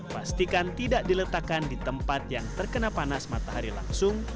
pastikan tidak diletakkan di tempat yang terkena panas matahari langsung